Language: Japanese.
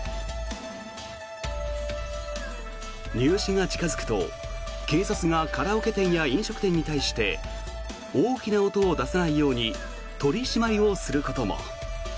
入試が近付くと、警察がカラオケ店や飲食店に対して大きな音を出さないように取り締まりをすることも。